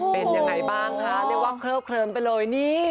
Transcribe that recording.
เป็นยังไงบ้างคะเรียกว่าเคลิบเคลิมไปเลยนี่